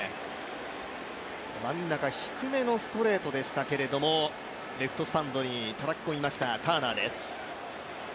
真ん中低めのストレートでしたけれども、レフトスタンドにたたき込みましたターナーです。